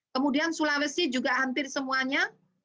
kemudian sulawesi juga hampir semuanya